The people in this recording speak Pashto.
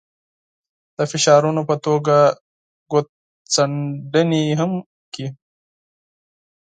د فشارونو په توګه ګوتڅنډنې هم کړي.